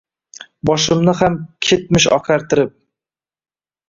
Boshimni ham ketmish oqartib.